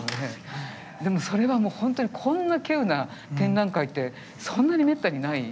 でもそれはもう本当にこんな稀有な展覧会ってそんなに滅多にない。